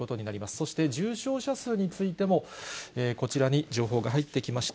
そして重症者数についても、こちらに情報が入ってきました。